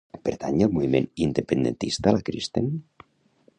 Pertany al moviment independentista la Kristen?